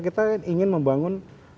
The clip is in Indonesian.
kita ingin membangun